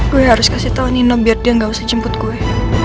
gue harus kasih tahu nino biar dia nggak usah jemput gue